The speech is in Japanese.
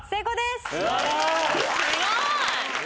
・すごい！